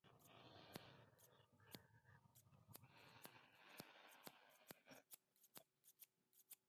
Los fideos más famosos de Japón provienen de la Prefectura de Nagano.